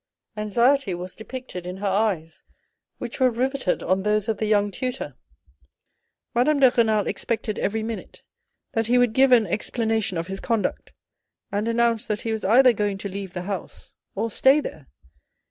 Anxiety was depicted in her eyes, which were riveted on those of the young tutor. Madame de Renal expected every minute that he would give an explana tion of his conduct, and announce that he was either going to leave the house or stay there.